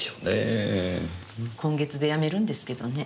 今月でやめるんですけどね。